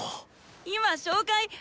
今紹介。